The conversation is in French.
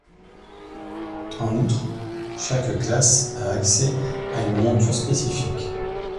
En outre, chaque classe a accès à une monture spécifique.